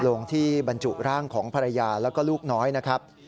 ลงที่บรรจุร่างของภรรยาแล้วก็ลูกน้อยนะครับ